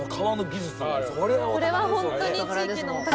これは本当に地域のお宝。